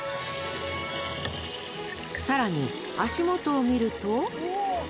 更に足元を見ると？